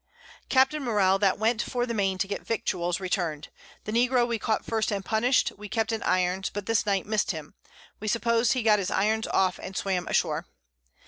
Capt. Morell, that went for the Main to get Victuals, return'd. The Negro we caught first and punished, we kept in Irons, but this Night miss'd him. We suppose he got his Irons off, and swam ashore.